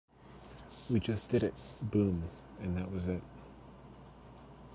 We just did it, boom, and that was it.